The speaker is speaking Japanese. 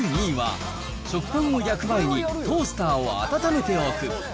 第２位は、食パンを焼く前にトースターを温めておく。